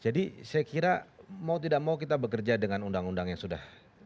jadi saya kira mau tidak mau kita bekerja dengan undang undang yang sudah